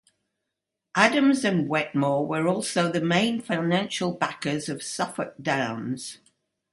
Adams and Wetmore were also the main financial backers of Suffolk Downs.